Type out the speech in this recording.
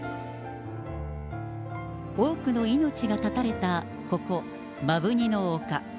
多くの命が絶たれた、ここ、摩文仁の丘。